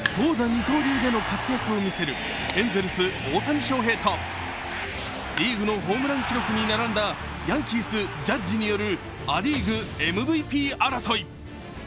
二刀流での活躍を見せるエンゼルス・大谷翔平とリーグのホームラン記録に並んだヤンキース・ジャッジよるア・リーグＭＶＰ争い。